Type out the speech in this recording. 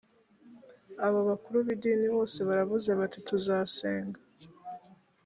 abo bakuru b’ idini bose baravuze bati tuzasenga.